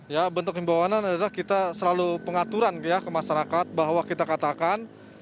ya bentuk himbawanan adalah kita selalu pengaturan ya ke masyarakat bahwa kita katakan